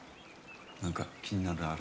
何か気になるのある？